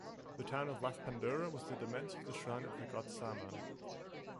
The town of Lathpandura was the demesne of the shrine of the God Saman.